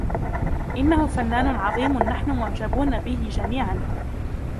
إنه فنان عظيم نحن معجبون به جميعًا.